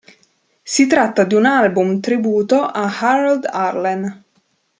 Si tratta di un album tributo a Harold Arlen.